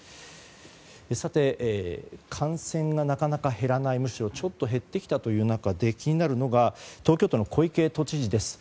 さて、感染がなかなか減らないむしろちょっと増えてきた中で気になるのが東京都の小池都知事です。